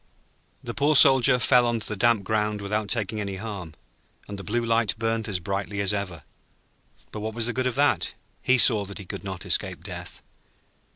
The poor Soldier fell on to the damp ground without taking any harm, and the Blue Light burnt as brightly as ever. But what was the good of that? He saw that he could not escape death.